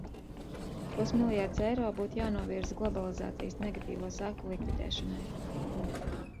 Pusmiljards eiro būtu jānovirza globalizācijas negatīvo seko likvidēšanai.